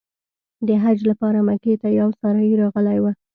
د حج لپاره مکې ته یو سارایي راغلی و.